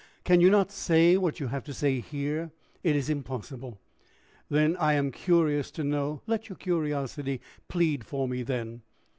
"Can you not say what you have to say here?" "It is impossible." "Then I am curious to know " "Let your curiosity plead for me, then."